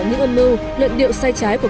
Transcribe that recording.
những ân mưu luyện điệu sai trái của